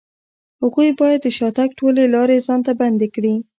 هغوی بايد د شاته تګ ټولې لارې ځان ته بندې کړي.